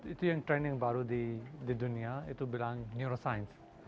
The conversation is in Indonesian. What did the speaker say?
itu yang training baru di dunia itu bilang neuroscience